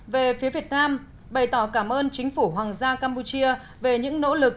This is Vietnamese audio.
về phía việt nam bày tỏ cảm ơn chính phủ hoàng gia campuchia về những nỗ lực